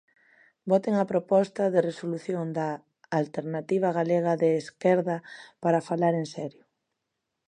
Voten a proposta de resolución da Alternativa Galega de Esquerda para falar en serio.